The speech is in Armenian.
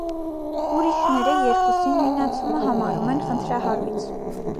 Ուրիշները երկուսի նույնացումը համարում են խնդրահարույց։